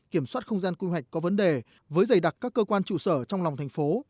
kiểm soát không gian quy hoạch có vấn đề với dày đặc các cơ quan trụ sở trong lòng thành phố